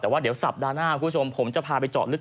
แต่ว่าเดี๋ยวสัปดาห์หน้าคุณผู้ชมผมจะพาไปเจาะลึก